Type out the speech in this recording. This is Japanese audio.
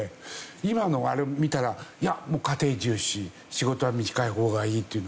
今のあれを見たら「いやもう家庭重視」「仕事は短い方がいい」という。